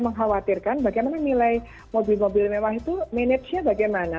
mengkhawatirkan bagaimana nilai mobil mobil mewah itu managenya bagaimana